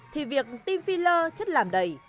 thì việc tiêm phila chất làm đầy